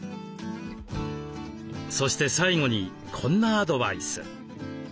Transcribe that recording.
そして最後にこんなアドバイス。